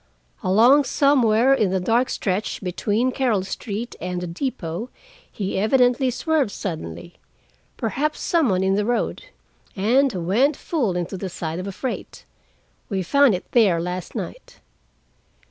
Along somewhere in the dark stretch between Carol Street and the depot he evidently swerved suddenly—perhaps some one in the road—and went full into the side of a freight. We found it there last night."